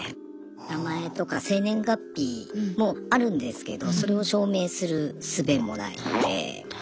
名前とか生年月日もあるんですけどそれを証明するすべもないので。